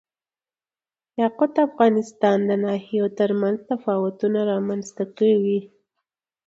یاقوت د افغانستان د ناحیو ترمنځ تفاوتونه رامنځ ته کوي.